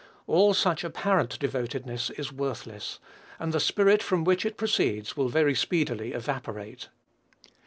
All such apparent devotedness is worthless, and the spirit from which it proceeds will very speedily evaporate.